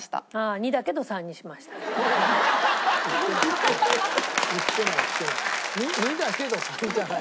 ２だけど３じゃない。